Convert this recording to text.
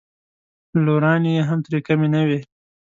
لورانې یې هم ترې کمې نه وې.